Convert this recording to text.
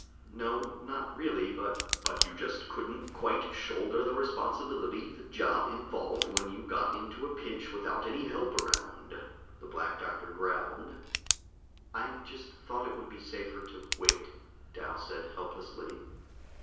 "No, not really, but " "But you just couldn't quite shoulder the responsibility the job involved when you got into a pinch without any help around," the Black Doctor growled. "I just thought it would be safer to wait," Dal said helplessly.